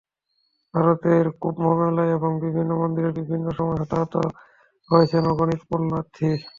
ভারতের কুম্ভমেলায় এবং বিভিন্ন মন্দিরে বিভিন্ন সময় হতাহত হয়েছেন অগণিত পুণ্যার্থী।